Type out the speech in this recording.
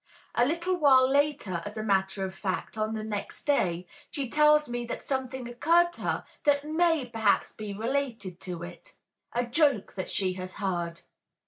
A little while later, as a matter of fact on the next day, she tells me that something occurred to her that may perhaps be related to it, a joke that she has heard.